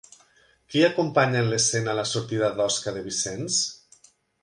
Qui acompanya en l'escena la sortida d'Osca de Vicenç?